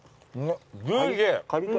ジューシー。